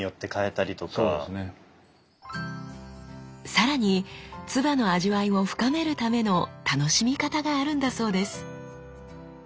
さらに鐔の味わいを深めるための楽しみ方があるんだそうです。